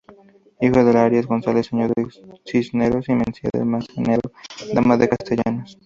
Hijo de Arias González, señor de Cisneros, y Mencía de Manzanedo, dama de Castellanos.